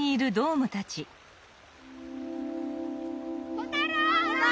小太郎！